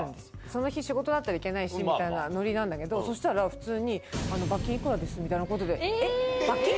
その日、仕事だったらいけないしみたいなのりなんだけど、そしたら普通に、罰金いくらですみたいなことで、えっ、罰金？